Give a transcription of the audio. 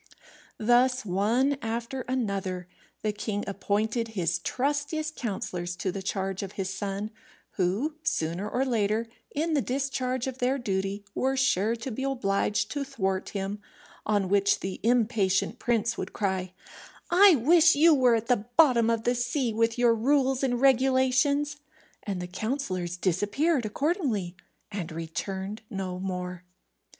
Thus, one after another, the king appointed his trustiest counsellors to the charge of his son, who, sooner or later, in the discharge of their duty, were sure to be obliged to thwart him; on which the impatient prince would cry, "I wish you were at the bottom of the sea with your rules and regulations;" and the counsellors disappeared accordingly, and returned no more.